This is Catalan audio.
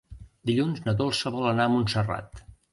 Dilluns na Dolça vol anar a Montserrat.